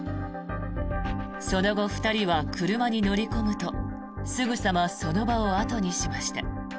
その後、２人は車に乗り込むとすぐさまその場を後にしました。